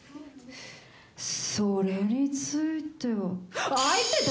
それについては相手誰？